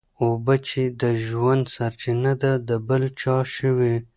اوبه چي د ژوند سرچینه ده د بل چا شوې.